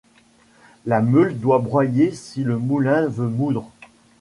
La meule doit broyer si le moulin veut moudre ;